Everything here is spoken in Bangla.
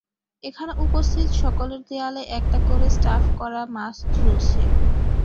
এখানে উপস্থিত সকলের দেয়ালে একটা করে স্টাফ করা মাছ ঝুলছে।